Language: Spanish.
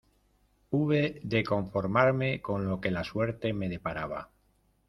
Hube de conformarme con lo que la suerte me deparaba.